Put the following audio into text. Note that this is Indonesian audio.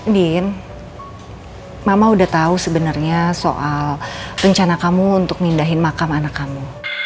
din mama udah tahu sebenarnya soal rencana kamu untuk mindahin makam anak kamu